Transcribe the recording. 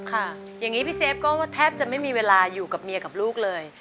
ค่ะอย่างนี้พี่เซฟก็แทบจะไม่มีเวลาอยู่กับเมียกับลูกเลย